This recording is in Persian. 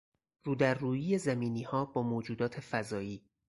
رودررویی زمینیها با موجودات فضایی